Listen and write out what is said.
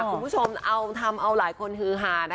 คุณผู้ชมเอาทำเอาหลายคนฮือหานะคะ